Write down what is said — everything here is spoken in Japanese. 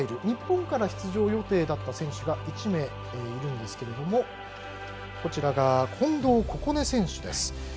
日本から出場予定だった選手が１名いるんですけれども近藤心音選手です。